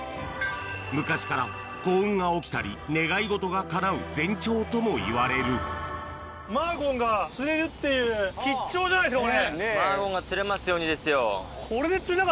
昔から幸運が起きたり願い事がかなう前兆ともいわれるマーゴンが釣れますようにですよ。